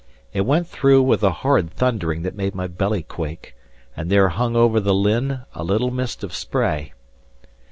It went through with a horrid thundering that made my belly quake; and there hung over the lynn a little mist of spray.